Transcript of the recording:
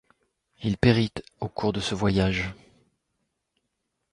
Il périt au cours de ce voyage.